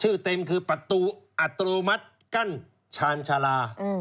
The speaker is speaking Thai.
เต็มคือประตูอัตโนมัติกั้นชาญชาลา